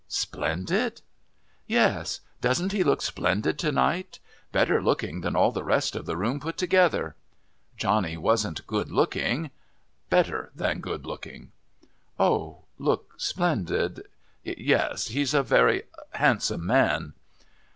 "Splendid?" "Yes; doesn't he look splendid to night? Better looking than all the rest of the room put together?" (Johnny wasn't good looking. Better than good looking.) "Oh look splendid. Yes. He's a very handsome man."